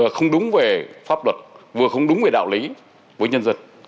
không đúng về pháp luật vừa không đúng về đạo lý với nhân dân